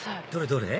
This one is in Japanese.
どれ？